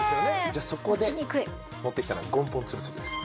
じゃあそこで持ってきたのがゴムポンつるつるです。